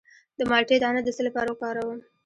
د مالټې دانه د څه لپاره وکاروم؟